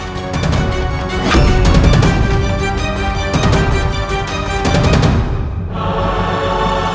kau menantikan kemahiran